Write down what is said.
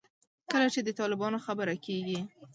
کله چې د طالبانو خبره کېږي.